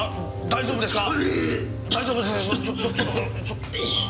大丈夫ですか？